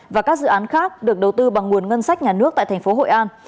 và các dự án khác được đầu tư bằng nguồn ngân sách nhà nước tại tp hội an